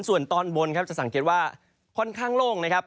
ส่วนตอนบนครับจะสังเกตว่าค่อนข้างโล่งนะครับ